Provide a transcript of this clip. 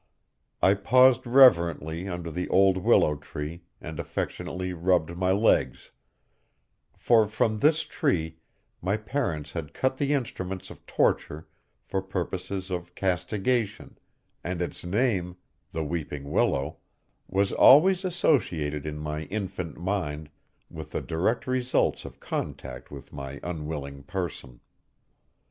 I paused reverently under the old willow tree and affectionately rubbed my legs, for from this tree my parents had cut the instruments of torture for purposes of castigation, and its name, the weeping willow, was always associated in my infant mind with the direct results of contact with my unwilling person.